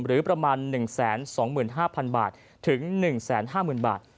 หรือประมาณ๑๒๕๐๐๐บาทถึง๑๕๐๐๐บาท